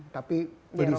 tapi beli sama kita